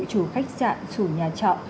chủ khách sạn chủ nhà trọ